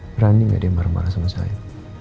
berani gak dia marah marah sama saya